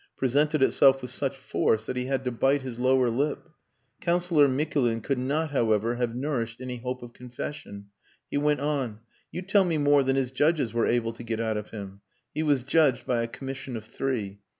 presented itself with such force that he had to bite his lower lip. Councillor Mikulin could not, however, have nourished any hope of confession. He went on "You tell me more than his judges were able to get out of him. He was judged by a commission of three.